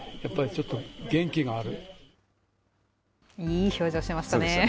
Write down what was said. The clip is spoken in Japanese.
いい表情してましたね。